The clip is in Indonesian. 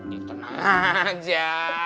ya tenang aja